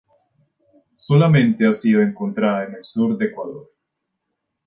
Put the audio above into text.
Solamente ha sido encontrada en el sur de Ecuador.